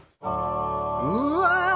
うわ！